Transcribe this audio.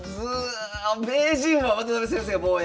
名人は渡辺先生が防衛。